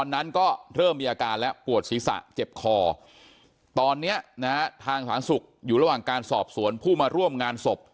นั้นก็เริ่มมีอาการแล้วปวดศีรษะเจ็บคอตอนนี้นะฮะทางสาธารณสุขอยู่ระหว่างการสอบสวนผู้มาร่วมงานศพ